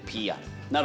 なるほど。